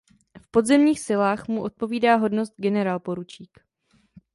V pozemních silách mu odpovídá hodnost generálporučík.